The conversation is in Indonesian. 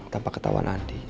tanpa ketahuan andi